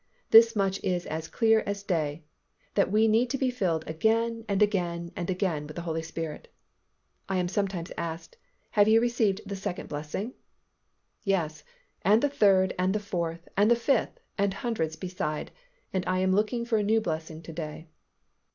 This much is as clear as day, that we need to be filled again and again and again with the Holy Spirit. I am sometimes asked, "Have you received the second blessing?" Yes, and the third and the fourth and the fifth and hundreds beside, and I am looking for a new blessing to day.